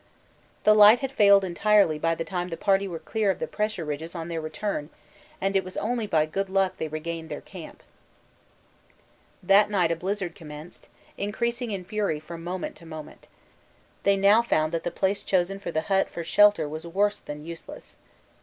The light had failed entirely by the time the party were clear of the pressure ridges on their return, and it was only by good luck they regained their camp. That night a blizzard commenced, increasing in fury from moment to moment. They now found that the place chosen for the hut for shelter was worse than useless.